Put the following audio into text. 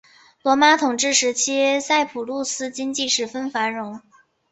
罗马统治时期塞浦路斯经济十分繁荣。